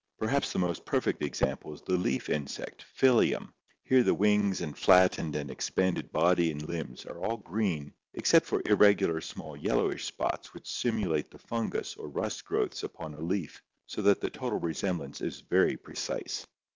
Perhaps the most perfect example is the leaf insect Phyliium (Fig. 36). Here the wings and flattened and expanded body and limbs are all green except for irregular small yellowish spots which simulate the fungus or rust growths upon a leaf so that the total resemblance is very precise.